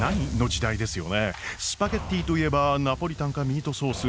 スパゲッティといえばナポリタンかミートソース。